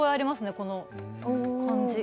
この感じ。